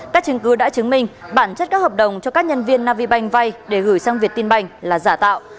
các chứng cứ đã chứng minh bản chất các hợp đồng cho các nhân viên navibank vay để gửi sang việt tin banh là giả tạo